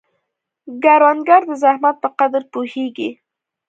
کروندګر د زحمت په قدر پوهیږي